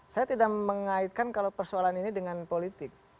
saya tidak mengaitkan kalau persoalan ini dengan politik